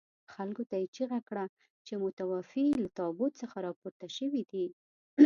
خلکو ته یې چيغه کړه چې متوفي له تابوت څخه راپورته شوي دي.